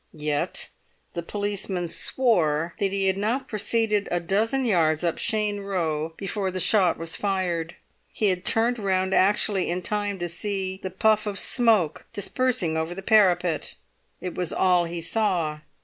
Yet the policeman swore that he had not proceeded a dozen yards up Cheyne Row before the shot was fired. He had turned round actually in time to see the puff of smoke dispersing over the parapet. It was all he saw.